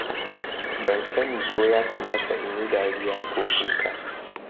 Ban sani ko ya kamata in yi dariya ko kuka.